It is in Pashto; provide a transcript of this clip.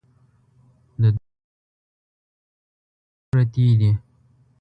د دښتو لاندې مو د تېلو سرچینې پرتې دي.